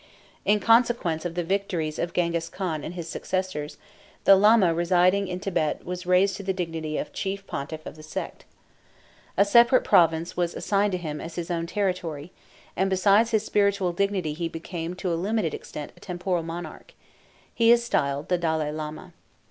In consequence of the victories of Gengis Khan and his successors, the Lama residing in Thibet was raised to the dignity of chief pontiff of the sect. A separate province was assigned to him as his own territory, and besides his spiritual dignity he became to a limited extent a temporal monarch. He is styled the Dalai Lama.